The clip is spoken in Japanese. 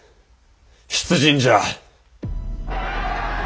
出陣じゃ。